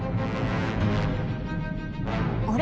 あれ？